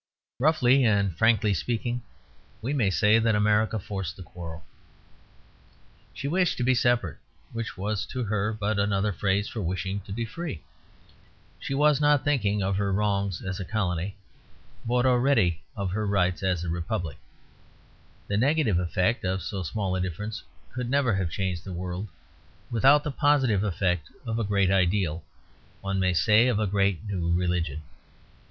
Roughly and frankly speaking, we may say that America forced the quarrel. She wished to be separate, which was to her but another phrase for wishing to be free. She was not thinking of her wrongs as a colony, but already of her rights as a republic. The negative effect of so small a difference could never have changed the world, without the positive effect of a great ideal, one may say of a great new religion.